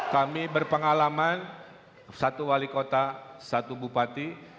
kami berpengalaman satu wali kota satu bupati